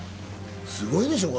すごいでしょ？